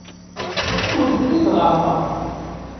Ur ten-id-ɣerrmeɣ.